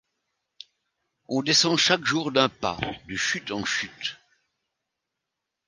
On descend chaque jour d'un pas. De chute en chute